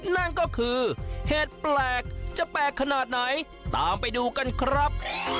นั่นก็คือเห็ดแปลกจะแปลกขนาดไหนตามไปดูกันครับ